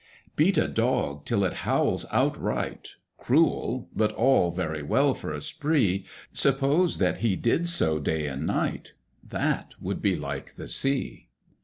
Beat a dog till it howls outright— Cruel, but all very well for a spree: Suppose that he did so day and night, That would be like the Sea.